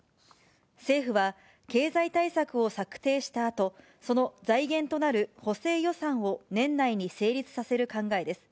政府は、経済対策を策定したあと、その財源となる補正予算を年内に成立させる考えです。